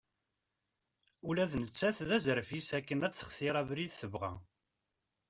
Ula d nettat d aẓref-is akken ad textir abrid tebɣa.